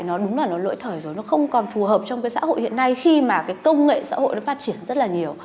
nó đúng là nó lỗi thở rồi nó không còn phù hợp trong xã hội hiện nay khi mà công nghệ xã hội phát triển rất là nhiều